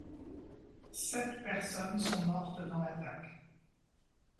Sept personnes sont mortes dans l'attaque.